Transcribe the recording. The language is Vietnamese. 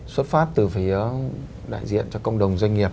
xuất phát từ phía đại diện cho cộng đồng doanh nghiệp